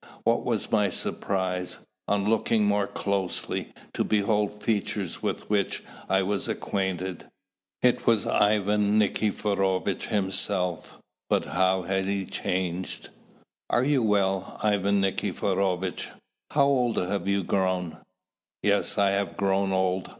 What was my surprise, on looking more closely, to behold features with which I was acquainted! It was Ivan Nikiforovitch himself! But how he had changed! "Are you well, Ivan Nikiforovitch? How old you have grown!" "Yes, I have grown old.